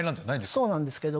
そうなんですけども。